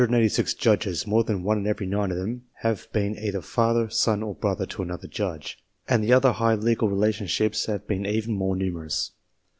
Out of the 286 Judges, more than one in every nine of them have been either father, son, or brother to another judge, and the other high legal relationships have been even more numerous.